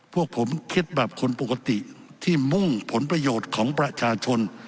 พวกผมคิดแบบคนปกติที่มุ่งผลประโยชน์ของประชาชน